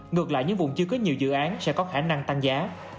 ngược lại những vùng chưa có nhiều dự án sẽ có khả năng tăng giá